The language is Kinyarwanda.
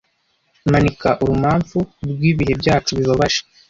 Manika urumamfu rwibihe byacu bibabaje